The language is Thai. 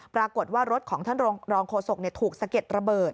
ปรากฏว่ารถของท่านรองโฆษกถูกสะเก็ดระเบิด